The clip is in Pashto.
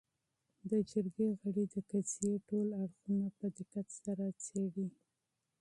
. د جرګې غړي د قضیې ټول اړخونه په دقت سره څېړي